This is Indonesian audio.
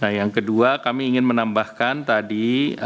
nah yang kedua kami ingin menambahkan tadi